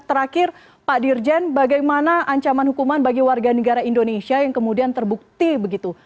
terakhir pak dirjen bagaimana ancaman hukuman bagi warga negara indonesia yang kemudian terbukti begitu